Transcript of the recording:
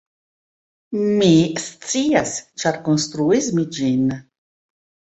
Mi scias, ĉar konstruis mi ĝin.